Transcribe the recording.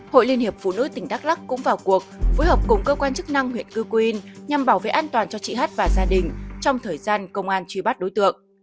hội liên hiệp phụ nữ tỉnh đắk lắc cũng vào cuộc phối hợp cùng cơ quan chức năng huyện cư quyên nhằm bảo vệ an toàn cho chị hát và gia đình trong thời gian công an truy bắt đối tượng